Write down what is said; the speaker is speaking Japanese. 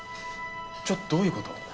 ちょっどういうこと？